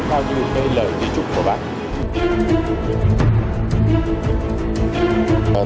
theo như lời thí trục của bác